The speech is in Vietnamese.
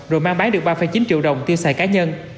rồi mang bán được ba chín triệu đồng tiêu xài cá nhân